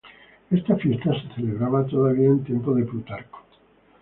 Esta fiesta se celebraba todavía en tiempos de Plutarco.